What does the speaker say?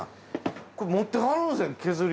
これ持ってはるんですね削り。